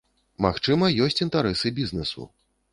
Магчыма, ёсць інтарэсы бізнэсу.